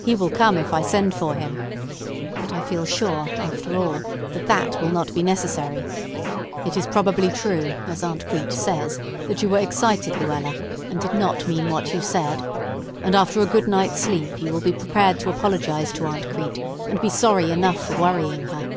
He will come if I send for him. But I feel sure, after all, that that will not be necessary. It is probably true, as Aunt Crete says, that you were excited, Luella, and did not mean what you said; and after a good night's sleep you will be prepared to apologize to Aunt Crete, and be sorry enough for worrying her.